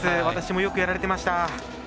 私もよくやられてました。